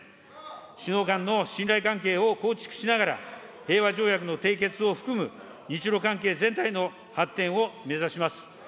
首脳間の信頼関係を構築しながら、平和条約の締結を含む、日ロ関係全体の発展を目指します。